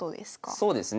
そうですね。